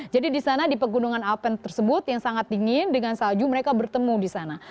jadi di sana di pegunungan alpen tersebut yang sangat dingin dengan salju mereka bertemu di sana